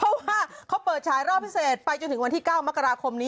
เพราะว่าเขาเปิดฉายรอบพิเศษไปจนถึงวัน๙๑๕นน